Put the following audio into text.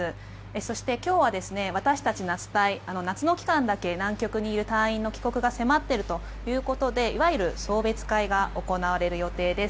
そして、今日は私たち夏隊夏の期間だけいる隊員の帰国が迫っているということでいわゆる送別会が行われる予定です。